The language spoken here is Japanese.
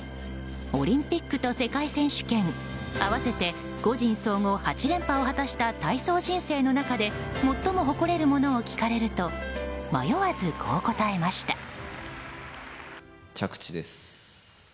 オリンピックと世界選手権合わせて個人総合８連覇を果たした体操人生の中で最も誇れるものを聞かれると迷わず、こう答えました。